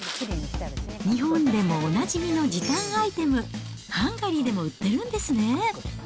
日本でもおなじみの時短アイテム、ハンガリーでも売ってるんですね。